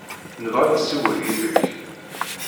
Nebɣa ad nessiwel yid-k.